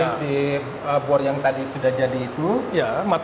jadi di pabrik yang sudah diperbuat